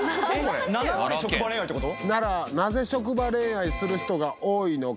なぜ職場恋愛する人が多いのか？